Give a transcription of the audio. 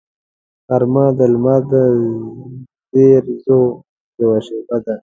غرمه د لمر د زریزو یوه شیبه ده